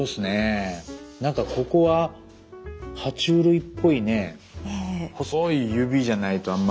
なんかここはは虫類っぽいね細い指じゃないとあんま。